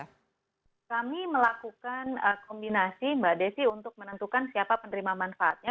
kita menentukan kombinasi mbak desy untuk menentukan siapa penerima manfaatnya